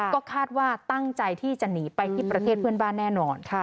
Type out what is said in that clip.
ก็คาดว่าตั้งใจที่จะหนีไปที่ประเทศเพื่อนบ้านแน่นอน